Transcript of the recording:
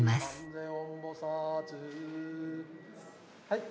はい。